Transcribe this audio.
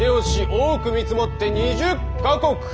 多く見積もって２０か国。